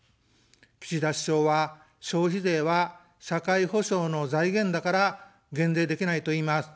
岸田首相は、「消費税は社会保障の財源だから減税できない」といいます。